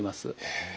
へえ。